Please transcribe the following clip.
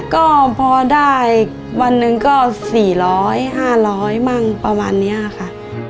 ก็พอได้วันหนึ่งก็๔๐๐๕๐๐มั่งประมาณนี้ค่ะ